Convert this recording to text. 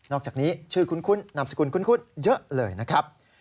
อกจากนี้ชื่อคุ้นนามสกุลคุ้นเยอะเลยนะครับ